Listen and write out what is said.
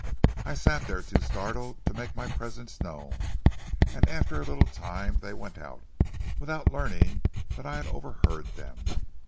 I sat there too startled to make my presence known, and after a little time they went out, without learning that I had overheard them.